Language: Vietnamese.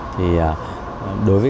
thì đối với